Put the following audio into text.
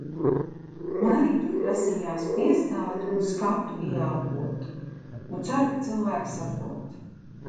Man arī tur prasījās piestāt un skatu ieelpot. Nu ceru, ka cilvēki saprot.